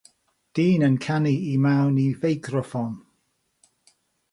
Dyn yn canu i mewn i feicroffon.